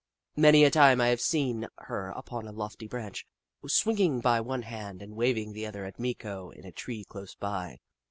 Many a time have I seen her upon a lofty branch, swinging by one hand, and waving the other at Meeko in a tree close by.